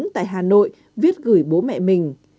tại hà nội viết gửi bố mẹ mình